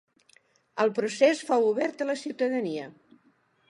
El procés fou obert a la ciutadania.